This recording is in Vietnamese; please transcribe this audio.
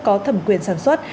có thẩm quyền sản xuất